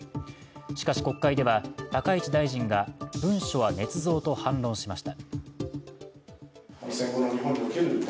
しかし、国会では高市大臣が文書はねつ造と反論しました。